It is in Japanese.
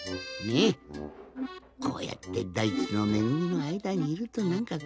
こうやってだいちのめぐみのあいだにいるとなんか